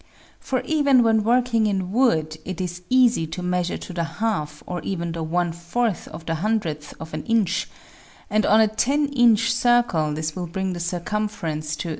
For even when working in wood it is easy to measure to the half or even the one fourth of the hundredth of an inch, and on a ten inch circle this will bring the circumference to 3.